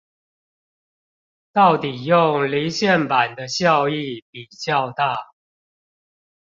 到底用離線版的效益比較大